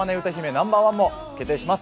ナンバーワンも決定します